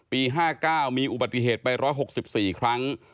๕๙มีอุบัติเหตุไป๑๖๔ครั้ง